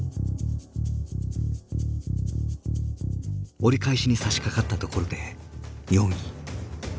折り返しにさしかかったところで４位。